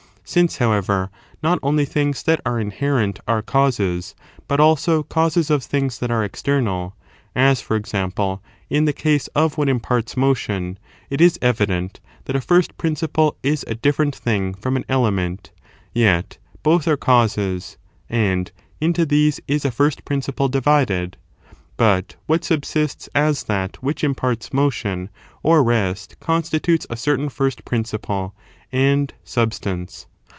Since, however, not only things that are inhe ^ causes and rent are causes, but also causes of things that elements com are external — ^as, for example, in the case of what ^"^ together, imparts motion — it is evident that a first principle is a dif ferent thing from an element ; yet both are causes, and into these is a first principle divided : but what subsists as that which imparts motion or rest constitutes a certain first prin ciple and substance.